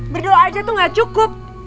berdoa aja tuh gak cukup